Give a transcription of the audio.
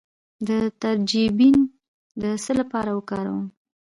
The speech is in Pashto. د ترنجبین د څه لپاره وکاروم؟